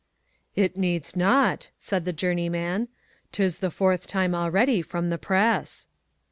"It needs not," said the journeyman, "'tis the fourth time already from the press."